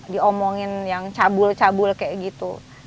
diomongin yang cabul cabul kayak gitu